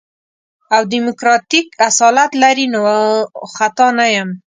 او ديموکراتيک اصالت لري نو خطا نه يم.